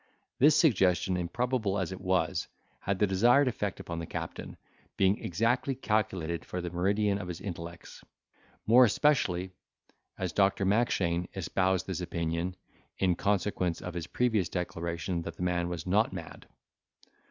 This suggestion, improbable as it was, had the desired effect upon the captain, being exactly calculated for the meridan of his intellects; more especially as Dr. Mackshane espoused this opinion, in consequence of his previous declaration that the man was not mad.